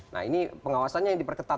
nah ini pengawasannya yang diperketat